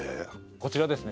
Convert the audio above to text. こちらですね